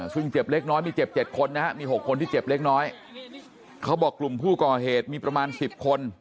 ซึ่งเจ็บเล็กน้อยมีเจ็บ๗คนนะฮะมี๖คนที่เจ็บเล็กน้อยเขาบอกกลุ่มผู้ก่อเหตุมีประมาณ๑๐คน